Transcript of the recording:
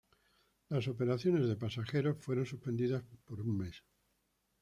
Las operaciones de pasajeros fueron suspendidas por un mes.